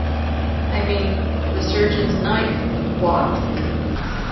I mean, the surgeon's knife, what?